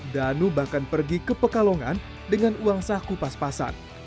danu bahkan pergi ke pekalongan dengan uang saku pas pasan